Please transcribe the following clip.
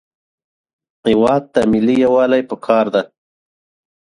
هېواد ته ملي یووالی پکار دی